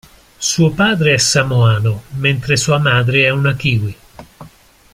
Suo padre è samoano mentre sua madre è una kiwi.